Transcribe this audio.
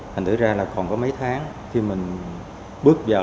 thành tự ra là còn có mấy tháng khi mình bước vào